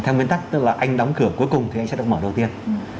theo nguyên tắc tức là anh đóng cửa cuối cùng thì anh sẽ được mở đầu tiên